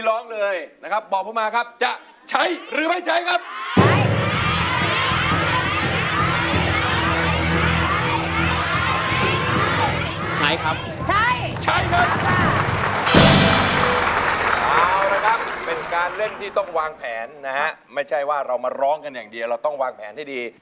เอาละครับเป็นการเล่นที่ต้องวางแผนนะฮะไม่ใช่ว่าเรามาร้องกันอย่างเดียวเราต้องวางแผนให้ดี